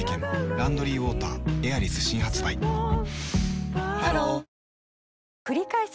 「ランドリーウォーターエアリス」新発売ハローくりかえす